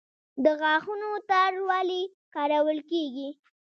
د غاښونو تار ولې کارول کیږي؟